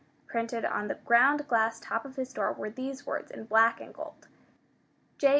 Printed on the ground glass top of his door were these words in black and gold: J.